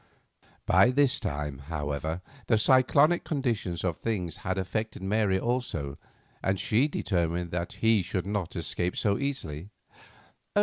By this time, however, the cyclonic condition of things had affected Mary also, and she determined that he should not escape so easily.